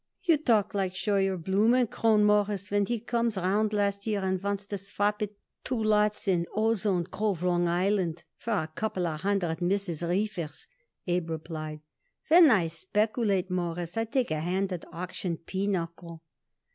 "You talk like Scheuer Blumenkrohn, Mawruss, when he comes round here last year and wants to swap it two lots in Ozone Grove, Long Island, for a couple of hundred misses' reefers," Abe replied. "When I speculate, Mawruss, I take a hand at auction pinochle."